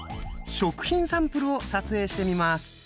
食品サンプルを撮影してみます。